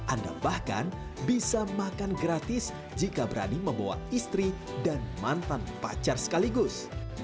anda bahkan bisa makan gratis jika berani membawa istri dan mantan pacar sekaligus